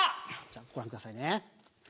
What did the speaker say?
じゃご覧くださいね。